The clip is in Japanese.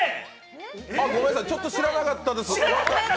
ごめんなさい、ちょっと知らなかったです。